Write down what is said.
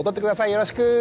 よろしく！